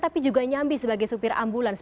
tapi juga nyambi sebagai supir ambulans